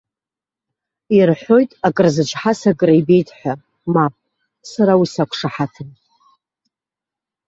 Ирҳәоит акрызычҳаз акрибеит ҳәа, мап, сара уи сақәшаҳаҭым.